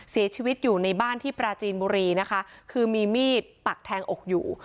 เสียชีวิตอยู่ในบ้านที่ปราจีนบุรีนะคะคือมีมีดปักแทงอกอยู่